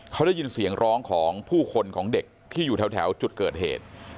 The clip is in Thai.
เขาได้ยินเสียงร้องของผู้คนของเด็กที่อยู่แถวจุดเกิดเหตุ